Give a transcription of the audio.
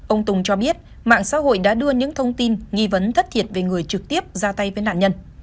ông tùng cho biết mạng xã hội đã đưa những thông tin nghi vấn thất thiệt về người trực tiếp ra tay với nạn nhân